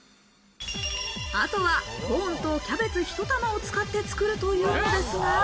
あとはコーンとキャベツ１玉を使って作るというのですが。